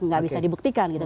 tidak bisa dibuktikan gitu